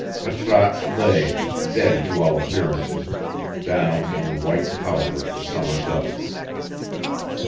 Patrasche lay, dead to all appearances, down in the white powder of the summer dust.